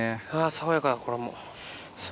爽やかこれも。